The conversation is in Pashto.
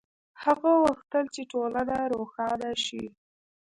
هغه غوښتل چې ټولنه روښانه شي.